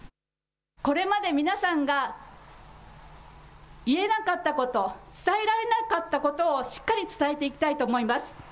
これまで皆さんが言えなかったこと、伝えられなかったことをしっかり伝えていきたいと思います。